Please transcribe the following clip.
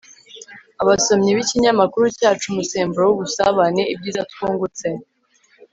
abasomyi b'ikinyamakuru cyacu umusemburo w'ubusabane ibyiza twungutse